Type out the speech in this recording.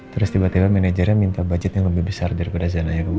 terus tiba tiba manajernya minta budget yang lebih besar daripada zonanya dulu